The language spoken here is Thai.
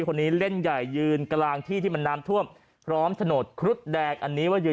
คนนี้เล่นใหญ่ยืนกลางที่ที่มันน้ำท่วมพร้อมโฉนดครุฑแดงอันนี้ว่ายืน